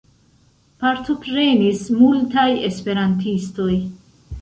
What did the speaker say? Partoprenis multaj esperantistoj.